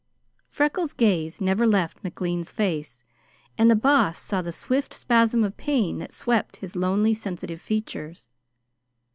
Freckles' gaze never left McLean's face, and the Boss saw the swift spasm of pain that swept his lonely, sensitive features.